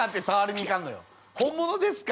本物ですか？